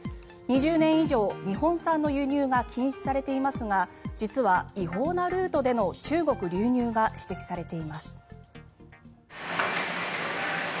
２０年以上、日本産の輸入が禁止されていますが実は、違法なルートでの中国流入が指摘されています。